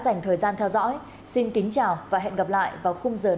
an toàn cuộc sống của bạn là hạnh phúc của chúng tôi